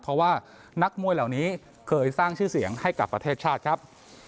เพราะว่านักมวยเหล่านี้เคยสร้างชื่อเสียงให้กับประเทศชาติครับ